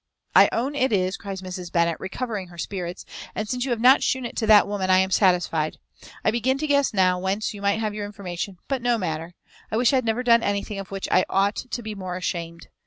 "I own it is," cries Mrs. Bennet, recovering her spirits, "and since you have not shewn it to that woman I am satisfied. I begin to guess now whence you might have your information; but no matter; I wish I had never done anything of which I ought to be more ashamed.